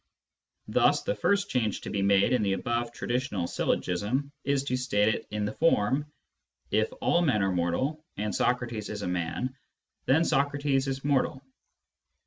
Thus the first change to be made in the above traditional syllogism is to state it in the form :" If all men are mortal and Socrates is a man, then Socrates is mortal."